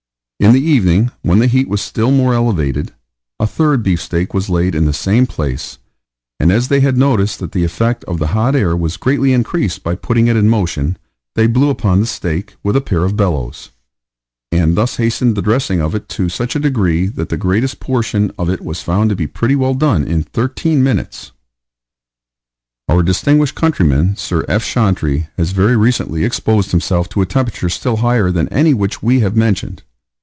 In the evening, when the heat was still more elevated, a third beef steak was laid in the same place, and as they had noticed that the effect of the hot air was greatly increased by putting it in motion, they blew upon the steak with a pair of bellows, and thus hastened the dressing of it to such a degree, that the greatest portion of it was found to be pretty well done in thirteen minutes. Our distinguished countryman, Sir F. Chantrey, has very recently exposed himself to a temperature still higher than any which we have mentioned.